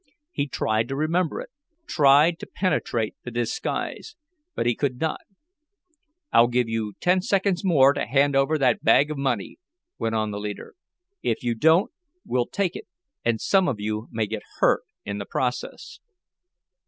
He tried to remember it tried to penetrate the disguise but he could not. "I'll give you ten seconds more to hand over that bag of money," went on the leader. "If you don't, we'll take it and some of you may get hurt in the process."